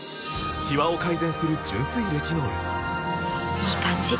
いい感じ！